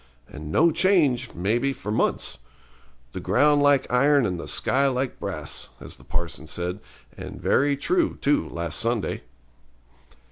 And no change, maybe, for months. The ground like iron and the sky like brass, as the parson said, and very true, too, last Sunday.